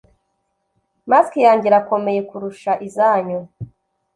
mask yanjye irakomeye kurusha izanyu